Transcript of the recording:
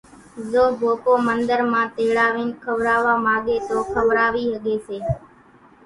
زو ڀوپو منۮر مان تيڙاوين کوراوا ماڳي توئي کوراوي ۿڳي سي۔